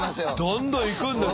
どんどん行くんですよ。